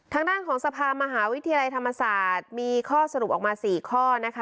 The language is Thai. ทางด้านของสภามหาวิทยาลัยธรรมศาสตร์มีข้อสรุปออกมา๔ข้อนะคะ